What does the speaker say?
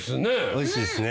おいしいですね。